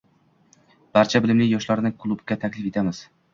Barcha bilimli yoshlarni klubga taklif qilamiz!